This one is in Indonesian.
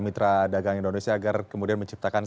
mitra dagang indonesia agar kemudian menciptakan